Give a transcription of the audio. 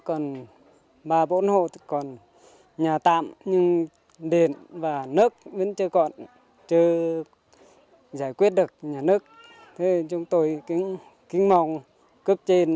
còn ba bốn hộ thì còn nhà tạm nhưng điện và nước vẫn chưa còn chưa giải quyết được nhà nước